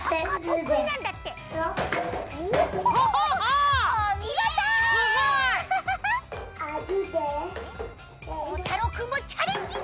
こうたろうくんもチャレンジ！